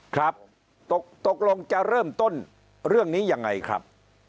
ครับตกลงจะเริ่มต้นเรื่องนี้ยังไงครับ